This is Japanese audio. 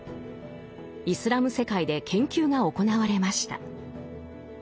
イスラム世界で研究が行われました。